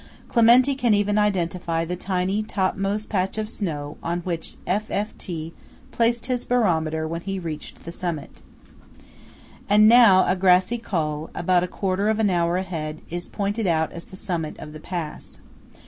Clementi can even identify the tiny top most patch of snow on which F. F. T. placed his barometer when he reached the summit. THE MARMOLATA FROM THE PASS OF ALLEGHE. And now a grassy Col, about a quarter of an hour ahead, is pointed out as the summit of the pass.